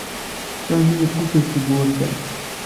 Sami yekkuffet seg wurfan.